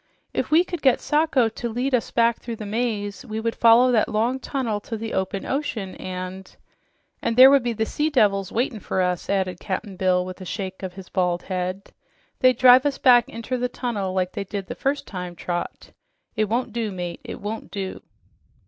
"If we could get Sacho to lead us back through the maze, we would follow that long tunnel to the open ocean, and " "And there would be the sea devils waitin' for us," added Cap'n Bill with a shake of his bald head. "They'd drive us back inter the tunnel like they did the first time, Trot. It won't do, mate, it won't do."